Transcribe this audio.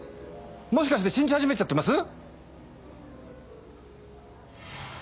もしかして信じ始めちゃってます？